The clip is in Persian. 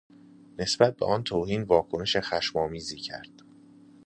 نسبت به آن توهین واکنش خشمآمیزی کرد.